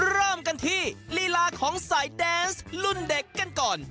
เริ่มกันที่ลีลาของสายแดนส์รุ่นเด็กกันก่อน